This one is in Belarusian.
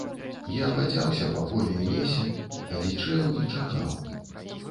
Я бадзяўся па полі і лесе, адзічэў і чакаў.